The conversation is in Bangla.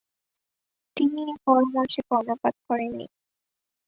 তিনি এ পরামর্শে কর্ণপাত করেননি।